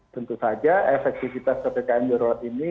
tentu saja efektivitas ppkm darurat ini